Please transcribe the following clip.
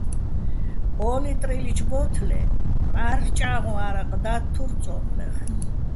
ო́ ლიტრილიჩო̆ ბო́თლე მჵარ'ლ ჭჵა́ღოჼ ა́რაყ და́თთურ "წო́მლეღ".